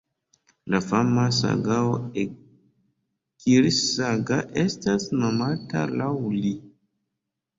La fama sagao Egils-Saga estas nomata laŭ li.